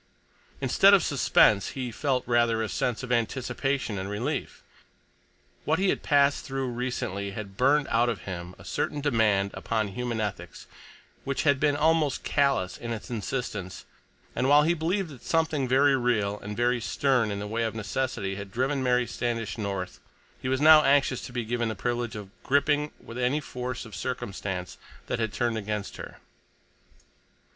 Instead of suspense he felt rather a sense of anticipation and relief. What he had passed through recently had burned out of him a certain demand upon human ethics which had been almost callous in its insistence, and while he believed that something very real and very stern in the way of necessity had driven Mary Standish north, he was now anxious to be given the privilege of gripping with any force of circumstance that had turned against her.